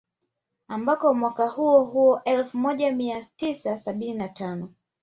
Ambako mwaka huo huo elfu moja mia tisa sabini na tano